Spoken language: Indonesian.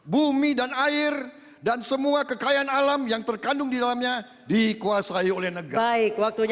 bumi dan air dan semua kekayaan alam yang terkandung di dalamnya dikuasai oleh negara